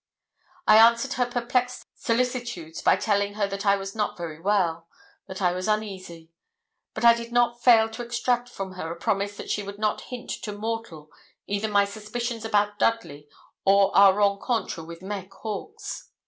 I answered her perplexed solicitudes by telling her that I was not very well that I was uneasy; but I did not fail to extract from her a promise that she would not hint to mortal, either my suspicions about Dudley, or our rencontre with Meg Hawkes.